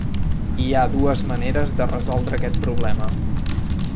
Hi ha dues maneres de resoldre aquest problema.